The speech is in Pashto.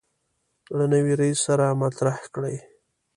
له نوي رئیس سره مطرح کړي.